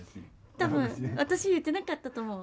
多分私言ってなかったと思う。